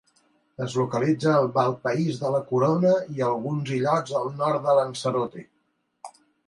Es localitza en el malpaís de la Corona i alguns illots al nord de Lanzarote.